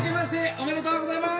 おめでとうございます。